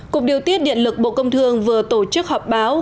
cục điều tiết điện lực bộ công thương vừa tổ chức họp báo